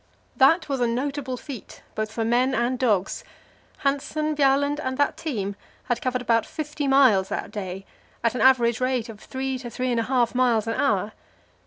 That was a notable feat, both for men and dogs. Hanssen, Bjaaland, and that team had covered about fifty miles that day, at an average rate of three to three and a half miles an hour.